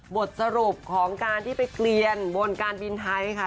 บทสรุปของการที่ไปเกลียนบนการบินไทยค่ะ